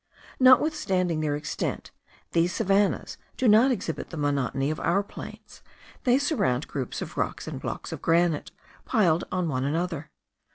Notwithstanding their extent, these savannahs do not exhibit the monotony of our plains; they surround groups of rocks and blocks of granite piled on one another.